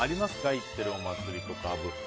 行ってるお祭りとか、アブ。